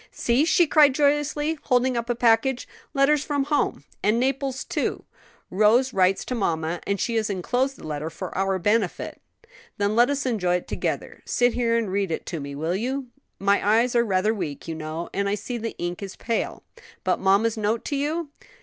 "See!" she cried joyously, holding up a package; "letters from home, and Naples too. Rose writes to mamma, and she has enclosed the letter for our benefit." "Then let us enjoy it together. Sit here and read it to me; will you? My eyes are rather weak, you know, and I see the ink is pale." "But mamma's note to you?"